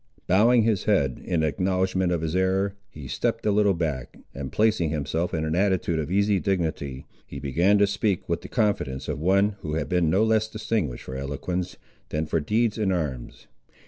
Bowing his head, in acknowledgment of his error, he stepped a little back, and placing himself in an attitude of easy dignity, he began to speak with the confidence of one who had been no less distinguished for eloquence, than for deeds in arms.